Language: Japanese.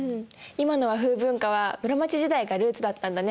今の和風文化は室町時代がルーツだったんだね。